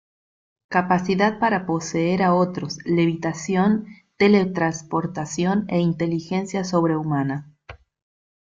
Capacidad para poseer a otros, levitación, teletransportación e inteligencia sobrehumana.